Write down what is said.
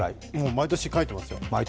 毎年書いてますよ。